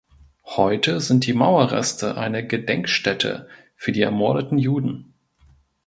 Heute sind die Mauerreste eine Gedenkstätte für die ermordeten Juden.